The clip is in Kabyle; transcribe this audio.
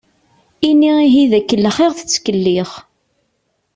Ini ihi d akellex i aɣ-tettkellix.